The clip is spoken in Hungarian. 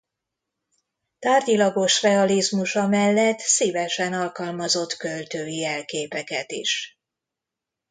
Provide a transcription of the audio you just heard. Tárgyilagos realizmusa mellett szívesen alkalmazott költői jelképeket is.